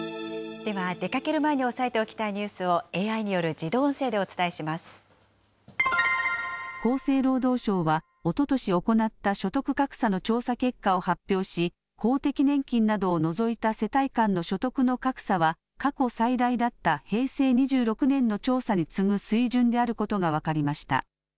では、出かける前に押さえておきたいニュースをＡＩによる自厚生労働省は、おととし行った所得格差の調査結果を発表し、公的年金などを除いた世帯間の所得の格差は、過去最大だった平成２６年の調査に次ぐ水準であることが分かりました。